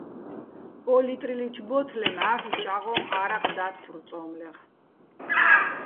ო́ ლიტრილიჩო̆ ბო́თლე მჵარ'ლ ჭჵა́ღოჼ ა́რაყ და́თთურ "წო́მლეღ".